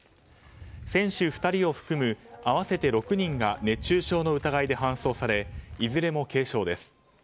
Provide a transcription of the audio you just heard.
選手２人を含む、合わせて６人が熱中症の疑いで搬送されいずれも軽症です。